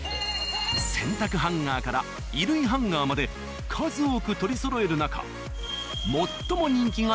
洗濯ハンガーから衣類ハンガーまで数多く取りそろえる中